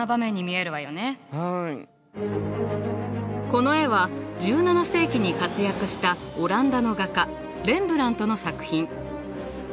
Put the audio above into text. この絵は１７世紀に活躍したオランダの画家レンブラントの作品。